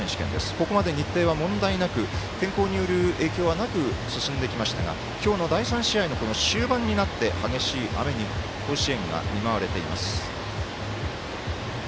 ここまで日程は問題なく天候による影響はなく進んできましたが今日の第３試合の終盤になって激しい雨に甲子園が見舞われています。